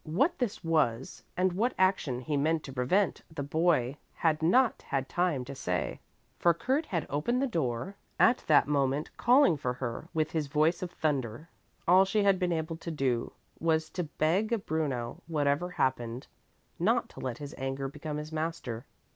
What this was and what action he meant to prevent the boy had not had time to say, for Kurt had opened the door at that moment calling for her with his voice of thunder. All she had been able to do was to beg Bruno, whatever happened, not to let his anger become his master.